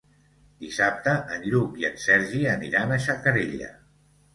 Dissabte en Lluc i en Sergi aniran a Xacarella.